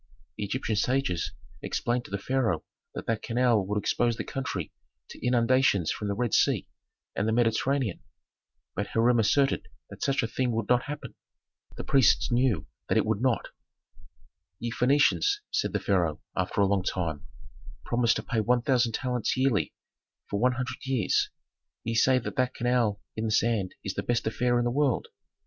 The Egyptian sages explained to the pharaoh that that canal would expose the country to inundations from the Red Sea and the Mediterranean. But Hiram asserted that such a thing would not happen; the priests knew that it would not. "Ye Phœnicians," said the pharaoh, after a long time, "promise to pay one thousand talents yearly for one hundred years. Ye say that that canal dug in the sand is the best affair in the world.